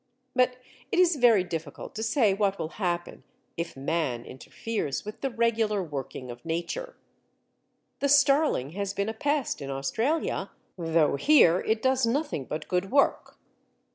But it is very difficult to say what will happen if man interferes with the regular working of Nature. The starling has been a pest in Australia, though here it does nothing but good work.